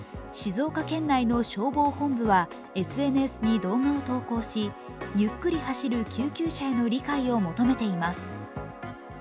静岡県内の消防本部はＳＮＳに動画を投稿しゆっくり走る救急車への理解を求めています。